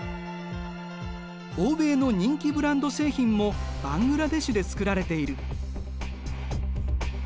欧米の人気ブランド製品もバングラデシュでつくられている。